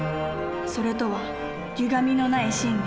「それ」とはゆがみのない真理。